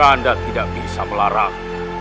anda tidak bisa melarang